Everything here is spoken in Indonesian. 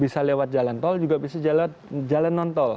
karena kalau lewat jalan tol juga bisa lewat jalan non tol